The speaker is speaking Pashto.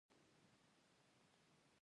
مانا يې داسې ده چې چا چې ژوندى کړ يو نفس.